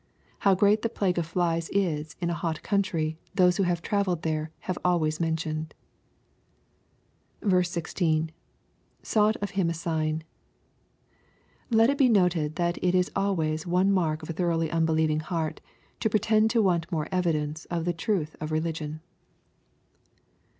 How great the plague of flies is in a hot country those who have travelled there have always men tioned. 16. — [Sought of Him a dgn^ Let it be noted that it is always one mark of a thoroughly unbelieving heart, to pretend to want more evidence of the truth of religion.